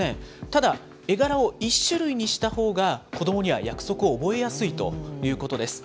ただ、絵柄を１種類にしたほうが、子どもには約束を覚えやすいということです。